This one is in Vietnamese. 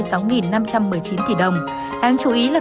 đáng chú ý là vị trí của ông phạm nhật vượng